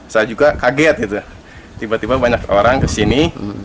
saya juga kaget gitu tiba tiba banyak orang kesini